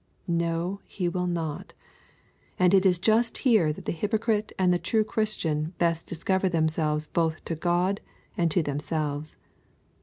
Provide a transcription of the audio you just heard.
No, he will not. And it is just here that the hypocrite and the true Christian best discover themselves both to God and to themselves.